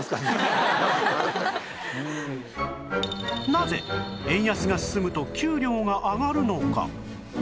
なぜ円安が進むと給料が上がるのか？